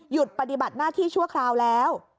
ปฏิบัติหน้าที่ชั่วคราวแล้ว